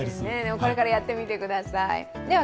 これからやってみてください。